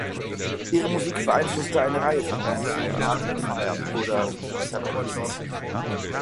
Ihre Musik beeinflusste eine Reihe von Bands wie Arcade Fire oder The Decemberists.